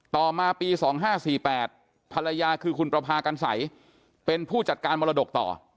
ต่อมาปี๒๕๔๘ภรรยาคือคุณประพากันสัยเป็นผู้จัดการมรดกต่อ